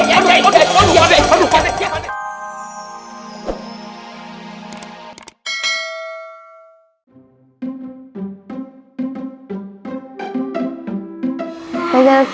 aduh aduh aduh aduh aduh